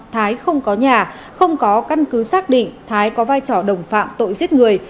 thái không có nhà không có căn cứ xác định thái có vai trò đồng phạm tội giết người